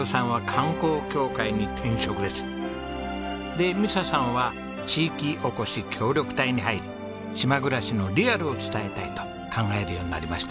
で美砂さんは地域おこし協力隊に入り島暮らしのリアルを伝えたいと考えるようになりました。